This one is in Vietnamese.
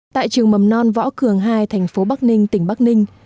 tại trường mầm non võ cường hai thành phố bắc ninh tỉnh bắc ninh